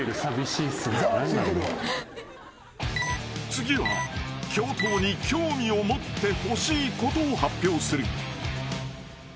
［次は教頭に興味を持ってほしいことを発表する］